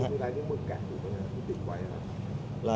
หมอบรรยาหมอบรรยาหมอบรรยาหมอบรรยา